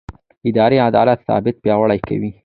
اداري عدالت ثبات پیاوړی کوي